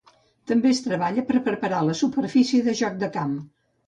També es treballa per preparar la superfície de joc del camp.